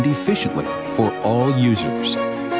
dan efisien untuk semua pengguna